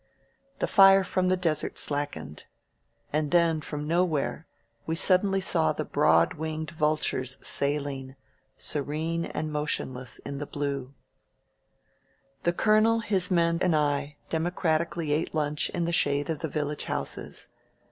The fire from the desert slackened. And then, from nowhere, we sud denly saw the broad winged vultures sailing, serene and motionless, in the blue. .•• The Colonel, his men and I democratically ate lunch in the shade of the village houses.